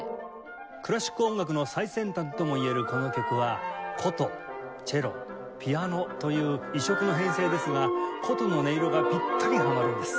クラシック音楽の最先端ともいえるこの曲は箏チェロピアノという異色の編成ですが箏の音色がピッタリハマるんです。